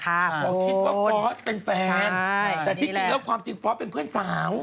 เพราะคิดว่าฟอร์สเป็นแฟนแต่ที่จริงแล้วความจริงฟอสเป็นเพื่อนสาว